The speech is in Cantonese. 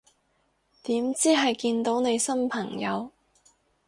點知係見到你新朋友